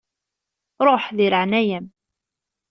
Ruḥ, deg leεnaya-m.